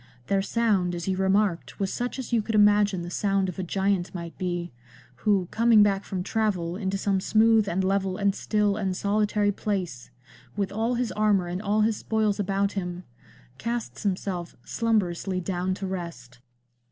Their sound, as you remarked, was such as you could imagine the sound of a giant might be, who, coming back from travel into some smooth and level and still and solitary place, with all his armour and all his spoils about him, casts himself slumberously down to rest."